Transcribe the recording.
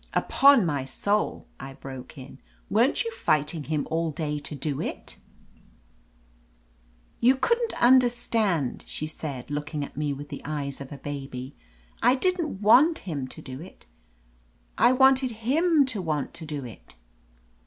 "Upon my soul !" I broke in. "Weren't you fighting him all day to do it ?" "You couldn't understand,'* she said, look ing at me with the eyes of a baby. "I didn't want him to do it; I wanted him to want to do it."